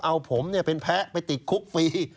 เอาผมเป็นแพ้ไปติดคุกฟรี